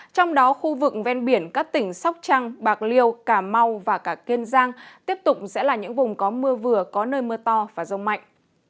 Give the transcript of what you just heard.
trong đó khu vực ven biển các tỉnh sóc trăng bạc liêu cà mau và cả kiên giang tiếp tục sẽ là những vùng có mưa vừa có nơi mưa to và rông mạnh